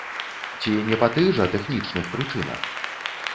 Ці не па тых жа тэхнічных прычынах?